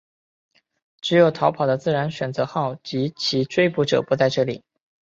只有逃跑的自然选择号及其追捕者不在这里。